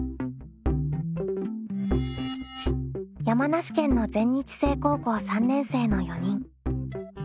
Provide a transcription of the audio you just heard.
山梨県の全日制高校３年生の４人。